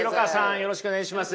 よろしくお願いします。